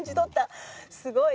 すごい！